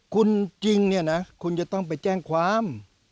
คุณจริงเนี่ยนะคุณจะต้องไปแจ้งความ